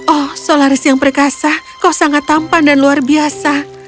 oh solaris yang perkasa kau sangat tampan dan luar biasa